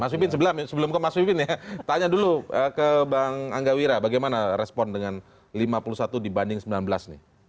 mas pipin sebelum ke mas pipin ya tanya dulu ke bang angga wira bagaimana respon dengan lima puluh satu dibanding sembilan belas nih